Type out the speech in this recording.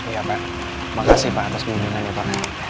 iya pak makasih pak atas kebenaran yang pak nek